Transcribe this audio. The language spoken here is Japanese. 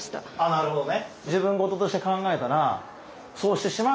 なるほどね。